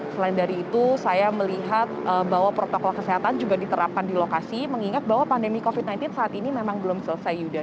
selain dari itu saya melihat bahwa protokol kesehatan juga diterapkan di lokasi mengingat bahwa pandemi covid sembilan belas saat ini memang belum selesai yuda